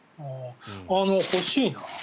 欲しいな。